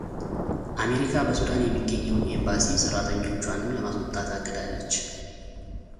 አሜሪካ በሱዳን የሚገኘውን ኤምባሲ ሰራተኞቿንም ለማስወጣት አቅዳለች።